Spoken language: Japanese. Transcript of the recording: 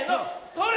それ！